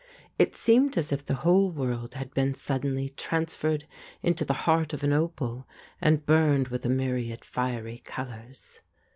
It seemed as if the whole world had been suddenly transferred into the heart of an opal, and burned with a myriad fiery colours.